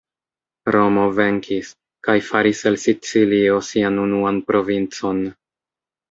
Romo venkis, kaj faris el Sicilio sian unuan provincon.